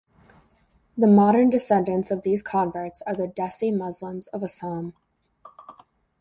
The modern descendents of these converts are the Desi Muslims of Assam.